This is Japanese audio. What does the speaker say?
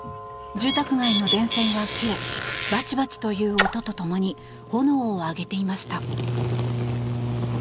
住宅街の電線は切れバチバチという音と共に炎を上げていました。